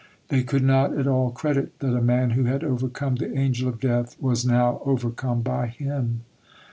They could not at all credit that a man who had overcome the Angel of Death was now overcome by him.